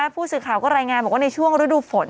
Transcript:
ผู้สืบข่าวก็แรงงามว่าในช่วงศักดิ์ฝน